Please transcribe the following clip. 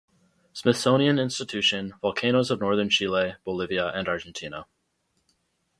Smithsonian Institution, volcanoes of Northern Chile, Bolivia and Argentina.